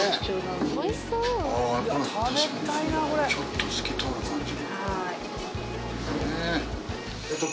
ちょっと透き通る感じ。